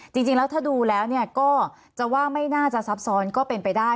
จริงแล้วถ้าดูแล้วก็จะว่าไม่น่าจะซับซ้อนก็เป็นไปได้